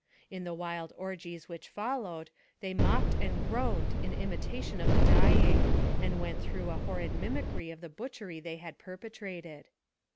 In the wild orgies which followed, they mocked and groaned in imitation of the dying, and went through a horrid mimicry of the butchery they had perpetrated.